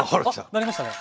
鳴りましたね！